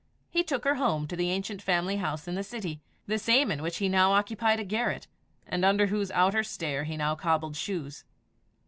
He took her home to the ancient family house in the city the same in which he now occupied a garret, and under whose outer stair he now cobbled shoes.